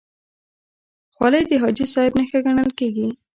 خولۍ د حاجي صاحب نښه ګڼل کېږي.